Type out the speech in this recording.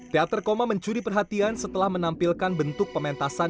teater koma mencuri perhatian setelah menampilkan bentuk pementasan